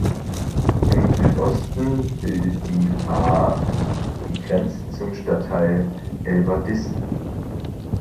Im Südosten bildet die Aa die Grenze zum Stadtteil Elverdissen.